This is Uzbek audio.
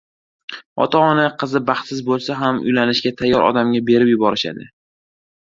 Ota-ona qizi baxtsiz boʻlsa ham, uylanishga tayyor odamga berib yuborishadi.